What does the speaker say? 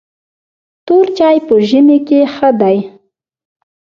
توري چای په ژمي کې ښه دي .